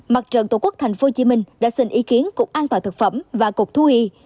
mặt trận tổ quốc tp hcm đã xin ý kiến cục an toàn thực phẩm và cục thú y